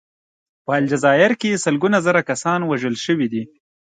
په الجزایر کې سلګونه زره کسان وژل شوي دي.